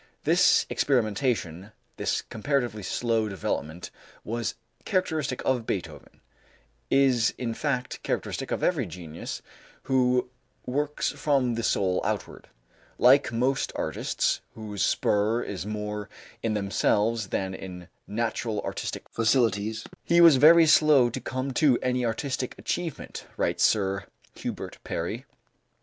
This experimentation, this comparatively slow development, was characteristic of Beethoven; is, in fact, characteristic of every genius who works from the soul outward. "Like most artists whose spur is more in themselves than in natural artistic facilities, he was very slow to come to any artistic achievement," writes Sir Hubert Parry.